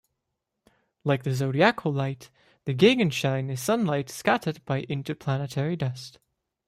Like the zodiacal light, the gegenschein is sunlight scattered by interplanetary dust.